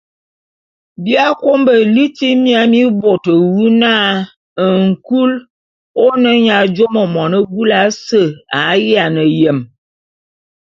Bi akômo liti bôt ya miaé wu na nkul ô ne nya jùomo mone búlù ase a yiane yem.